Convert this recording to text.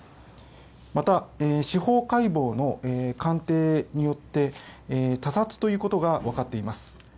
また、司法解剖の鑑定によって他殺ということが分かっています。